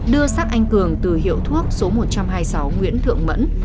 đưa xác anh cường từ hiệu thuốc số một trăm hai mươi sáu nguyễn thượng mẫn